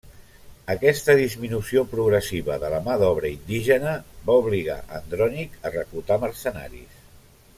Aquesta disminució progressiva de la mà d'obra indígena, va obligar Andrònic a reclutar mercenaris.